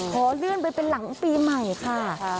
ขอเลื่อนไปเป็นหลังปีใหม่ค่ะ